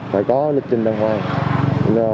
phải có lịch trình đàng hoàng